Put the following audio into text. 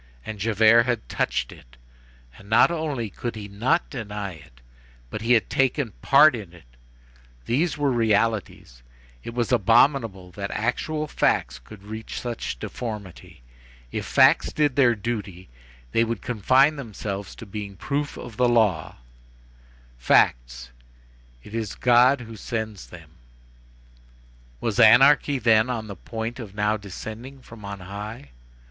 and Javert had touched it! and not only could he not deny it, but he had taken part in it. These were realities. It was abominable that actual facts could reach such deformity. If facts did their duty, they would confine themselves to being proofs of the law; facts—it is God who sends them. Was anarchy, then, on the point of now descending from on high?